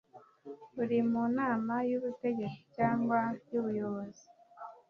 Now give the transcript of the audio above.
Uri mu nama y ubutegetsi cyangwa yu buyobozi